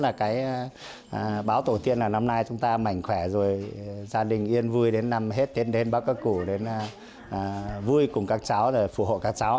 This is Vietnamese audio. đó chính là cái báo tổ tiên là năm nay chúng ta mạnh khỏe rồi gia đình yên vui đến năm hết tết đến bắc các củ đến vui cùng các cháu rồi phù hộ các cháu